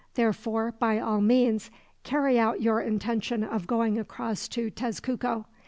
Therefore, by all means, carry out your intention of going across to Tezcuco.